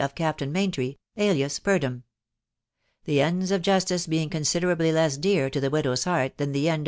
279 of Captain Maintry, alia* Purdham. The ends of jnj&sa being considerably 1cm dear to the widow's heart than the end of.